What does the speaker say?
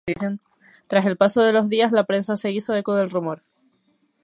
Tras el paso de los días, la prensa se hizo eco del rumor.